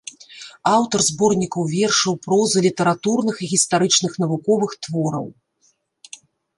Аўтар зборнікаў вершаў, прозы, літаратурных і гістарычных навуковых твораў.